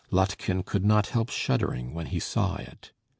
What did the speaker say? Lottchen could not help shuddering when he saw it.